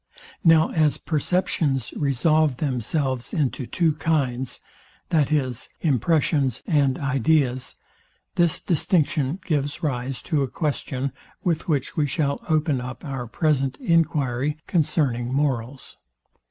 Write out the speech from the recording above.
Now as perceptions resolve themselves into two kinds, viz. impressions and ideas, this distinction gives rise to a question, with which we shall open up our present enquiry concerning morals.